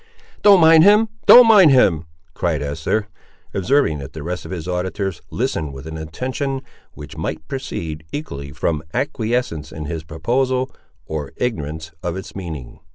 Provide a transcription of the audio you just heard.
"Don't mind him, don't mind him," cried Esther, observing that the rest of his auditors listened with an attention which might proceed, equally, from acquiescence in his proposal or ignorance of its meaning.